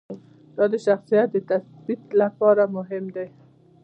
دا د شخصیت د تثبیت لپاره هم ده.